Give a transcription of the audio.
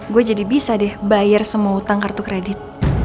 gue jadi bisa deh bayar semua utang kartu kredit